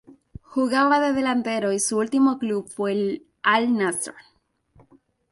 Jugaba de delantero y su último club fue el Al-Nassr.